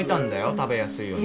食べやすいように。